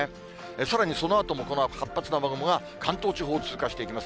さらにそのあともこの活発な雨雲が、関東地方を通過していきます。